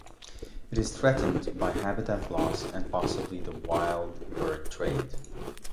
It is threatened by habitat loss and possibly the wild bird trade.